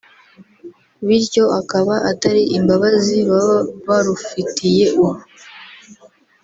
bityo akaba atari imbabazi baba barufitiye ubu